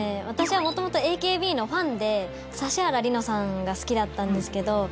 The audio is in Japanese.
私はもともとＡＫＢのファンで指原莉乃さんが好きだったんですけど。